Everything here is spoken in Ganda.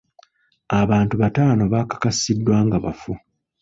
Abantu bataano bakakasiddwa nga bafu.